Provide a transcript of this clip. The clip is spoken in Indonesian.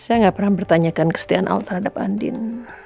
saya gak pernah bertanyakan kesetiaan al terhadap handin